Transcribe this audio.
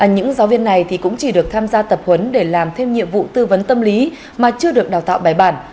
những giáo viên này cũng chỉ được tham gia tập huấn để làm thêm nhiệm vụ tư vấn tâm lý mà chưa được đào tạo bài bản